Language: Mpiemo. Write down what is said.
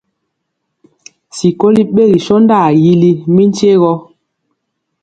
Sikoli ɓegi sɔndaa yili mi nkye gɔ.